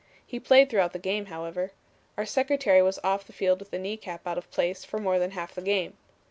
He played throughout the game, however. Our secretary was off the field with a knee cap out of place for more than half the game.